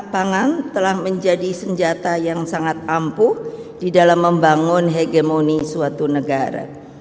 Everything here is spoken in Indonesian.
pangan telah menjadi senjata yang sangat ampuh di dalam membangun hegemoni suatu negara